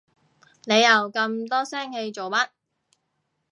你又咁多聲氣做乜？